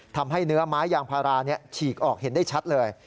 ทำให้เนื้อไม้ยางพาราฉีกออกเห็นได้ชัดเลย